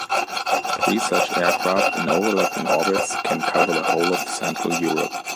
Three such aircraft in overlapping orbits can cover the whole of Central Europe.